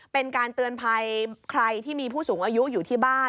เป็นการเตือนภัยใครที่มีผู้สูงอายุอยู่ที่บ้าน